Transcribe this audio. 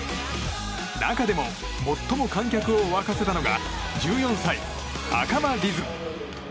中でも最も観客を沸かせたのが１４歳、赤間凛音。